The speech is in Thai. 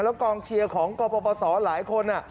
แล้วกองเชียร์ของกรปศหลายคน